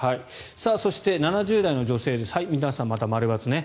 そして、７０代の女性皆さん、また○×ね。